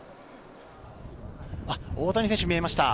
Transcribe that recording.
大谷選手、見えました。